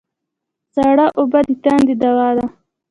سړه اوبه د تندې دوا ده